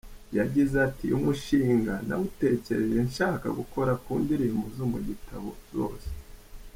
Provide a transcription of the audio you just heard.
Yagize ati “Uyu mushinga nawutekereje nshaka gukora ku ndirimbo zo mu gitabo zose.